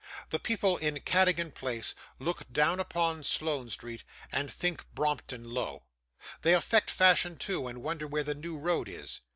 The people in Cadogan Place look down upon Sloane Street, and think Brompton low. They affect fashion too, and wonder where the New Road is.